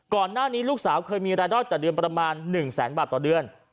ก่อนหน้านี้ลูกสาวเคยมีรายได้ต่อเดือนประมาณ๑แสนบาทต่อเดือน